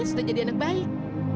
sudah jadi anak baik